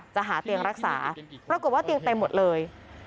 หาเตียงรักษาปรากฏว่าเตียงเต็มหมดเลย